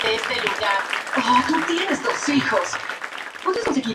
Basada en la serie de dibujos animados "Casper the Friendly Ghost".